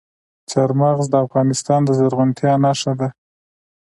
چار مغز د افغانستان د زرغونتیا نښه ده.